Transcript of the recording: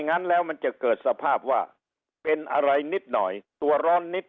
งั้นแล้วมันจะเกิดสภาพว่าเป็นอะไรนิดหน่อยตัวร้อนนิด